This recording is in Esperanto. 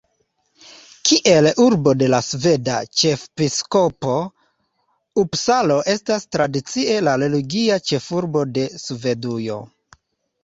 Kiel urbo de la sveda ĉefepiskopo, Upsalo estas tradicie la religia ĉefurbo de Svedujo.